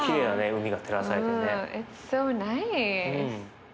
海が照らされてね。